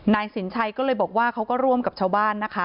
นายสินชัยก็เลยบอกว่าเขาก็ร่วมกับชาวบ้านนะคะ